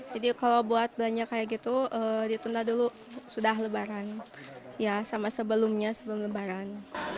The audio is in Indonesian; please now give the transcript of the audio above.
kalau buat belanja kayak gitu ditunda dulu sudah lebaran ya sama sebelumnya sebelum lebaran